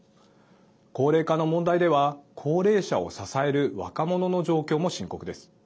高齢化の問題では高齢者を支える若者の状況も深刻です。